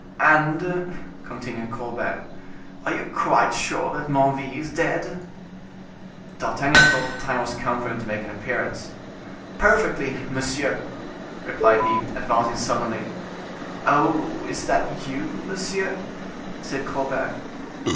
"And," continued Colbert, "are you quite sure Menneville is dead?" D'Artagnan thought the time was come for him to make his appearance. "Perfectly, monsieur;" replied he, advancing suddenly. "Oh! is that you, monsieur?" said Colbert.